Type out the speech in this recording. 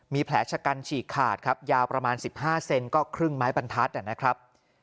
มีแผลชะกันฉีกขาดครับยาวประมาณ๑๕เซนก็ครึ่งไม้บรรทัศน์นะครับ